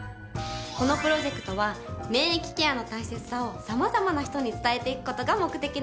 このプロジェクトは免疫ケアの大切さを様々な人に伝えていく事が目的なの。